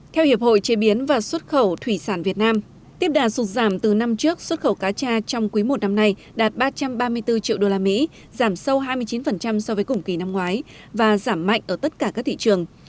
theo hiệp hội chế biến và xuất khẩu thủy sản việt nam tiếp đà sụt giảm từ năm trước xuất khẩu cá cha trong quý i năm nay đạt ba trăm ba mươi bốn triệu usd giảm sâu hai mươi chín so với cùng kỳ năm ngoái và giảm mạnh ở tất cả các thị trường